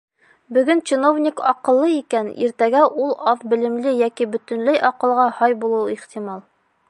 Бөгөн чиновник аҡыллы икән, иртәгә ул аҙ белемле йәки бөтөнләй аҡылға һай булыуы ихтимал.